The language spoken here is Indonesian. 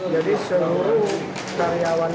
jadi semua karyawan